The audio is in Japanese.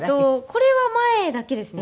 これは前だけですね。